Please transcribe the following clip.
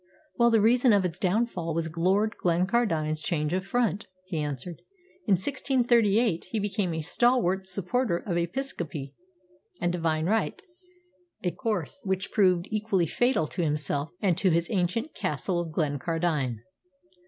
"Well, the reason of its downfall was Lord Glencardine's change of front," he answered. "In 1638 he became a stalwart supporter of Episcopacy and Divine Right, a course which proved equally fatal to himself and to his ancient Castle of Glencardine.